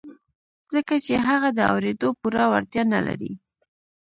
ځکه چې هغه د اورېدو پوره وړتيا نه لري.